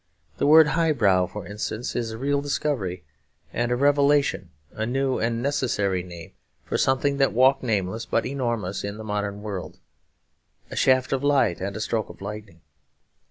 The word 'high brow,' for instance, is a real discovery and revelation, a new and necessary name for something that walked nameless but enormous in the modern world, a shaft of light and a stroke of lightning.